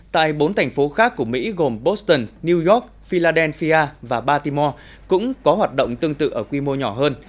tại bốn thành phố khác của mỹ gồm boston new york philadelphia và batimore cũng có hoạt động tương tự ở quy mô nhỏ hơn